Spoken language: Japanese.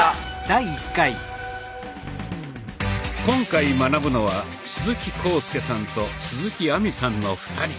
今回学ぶのは鈴木浩介さんと鈴木亜美さんの２人。